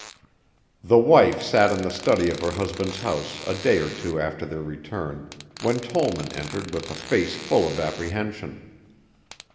The wife sat in the study of her husband's house a day or two after their return, when Tollman entered with a face full of apprehension.